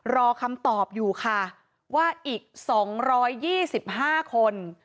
รอคำตอบอยู่ค่ะว่าอีก๒๒๕คน